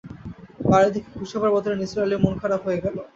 বাড়ি দেখে খুশি হবার বদলে নিসার আলির মন-খারাপ হয়ে গেল।